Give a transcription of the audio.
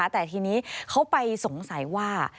แต่ทีนี้เขาไปสงสัยว่า